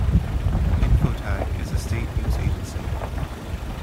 Infotag is the state news agency.